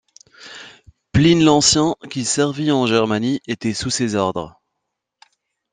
Pline l'Ancien, qui servit en Germanie, était sous ses ordres.